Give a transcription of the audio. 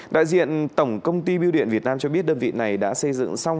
đại diện tổng công ty biêu điện việt nam cho biết đơn vị này đã xây dựng xong